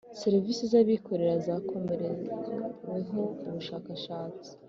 Serivisi z abikorera zakoreweho ubushakashatsi